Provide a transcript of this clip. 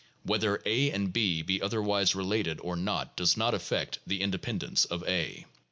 Whether a and b be otherwise related, or not, does not affect the independence of a" (p.